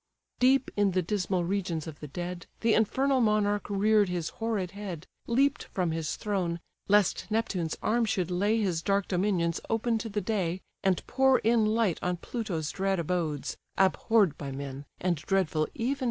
Deep in the dismal regions of the dead, The infernal monarch rear'd his horrid head, Leap'd from his throne, lest Neptune's arm should lay His dark dominions open to the day, And pour in light on Pluto's drear abodes, Abhorr'd by men, and dreadful even to gods.